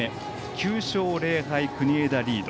９勝０敗、国枝リード。